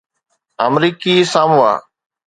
آمريڪي ساموا